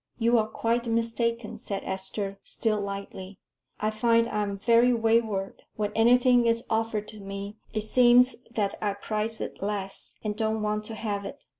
"You are quite mistaken," said Esther, still lightly. "I find I am very wayward. When anything is offered to me, it seems that I prize it less, and don't want to have it."